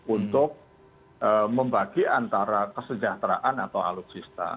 untuk membagi antara kesejahteraan atau alutsista